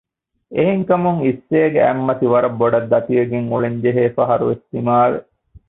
އެހެން ކަމުން އިއްސޭގެ އަތްމަތި ވަރަށް ބޮޑަށް ދަތިވެގެން އުޅެން ޖެހޭ ފަހަރުވެސް ދިމާވެ